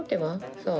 そう。